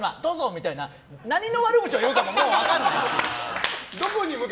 みたいな何の悪口を言うのかも分からないし。